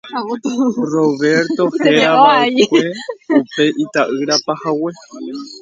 Roberto herava'ekue upe ita'yra pahague.